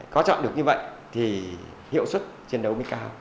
có chọn được như vậy thì hiệu suất chiến đấu mới cao